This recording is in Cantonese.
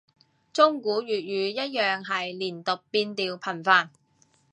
中古粵語一樣係連讀變調頻繁